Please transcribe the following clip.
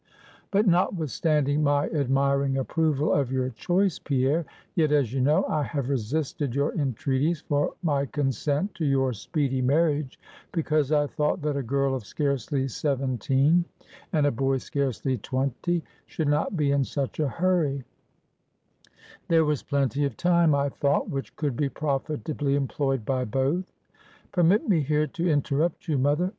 "But notwithstanding my admiring approval of your choice, Pierre; yet, as you know, I have resisted your entreaties for my consent to your speedy marriage, because I thought that a girl of scarcely seventeen, and a boy scarcely twenty, should not be in such a hurry; there was plenty of time, I thought, which could be profitably employed by both." "Permit me here to interrupt you, mother.